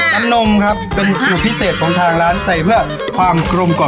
นมครับเป็นสูตรพิเศษของทางร้านใส่เพื่อความกลมกล่อ